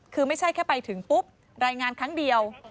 คือไม่ใช่แค่ไปถึงปุ๊บรายงานครั้งเดียว